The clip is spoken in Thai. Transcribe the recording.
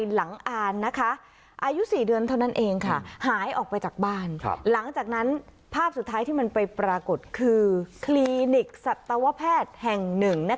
หลังจากนั้นภาพสุดท้ายที่มันไปปรากฏคือคลีนิกสัตวแพทย์แห่งหนึ่ง